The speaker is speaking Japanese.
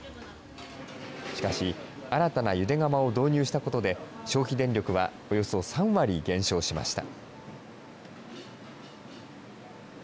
しかし、新たなゆで釜を導入したことで、消費電力はおよそ３割減少しました。